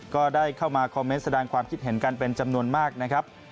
ก็ได้เข้ามาคอมเมนต์แสดงความคิดเห็นกันเป็นจำนวนมากนะครับ